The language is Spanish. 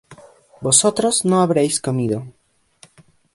vosotros no habréis comido